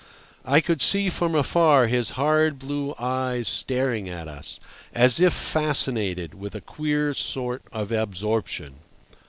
I could see from afar his hard blue eyes staring at us, as if fascinated, with a queer sort of absorption.